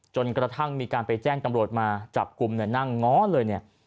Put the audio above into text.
จนกระทั่งมีการไปแจ้งตำรวจมาจับกลุ่มเนี่ยนั่งง้อเลยเนี่ย